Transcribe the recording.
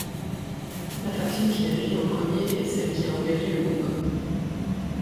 La faction qui agit en premier est celle qui a engagé le combat.